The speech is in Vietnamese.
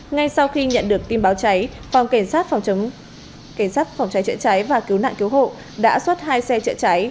ngay sau khi nhận được tin báo cháy phòng cảnh sát phòng cháy chữa cháy và cứu nạn cứu hộ đã xuất hai xe chữa cháy